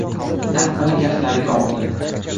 Tappini kaftlariga oldi.